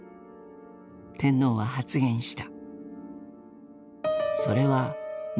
天皇は発言した。